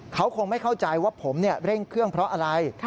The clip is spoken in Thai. เขาคงไม่เข้าใจว่าผมเร่งเครื่องเพราะอะไร